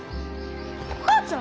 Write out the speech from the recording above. お母ちゃん？